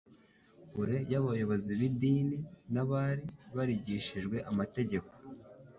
kure y'abayobozi b'idini n'abari barigishijwe amategeko,